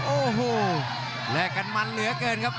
โอ้โหแลกกันมันเหลือเกินครับ